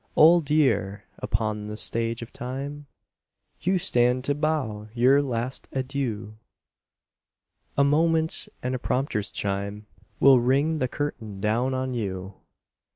Old Year! upon the Stage of Time You stand to bow your last adieu; A moment, and the prompter's chime Will ring the curtain down on you.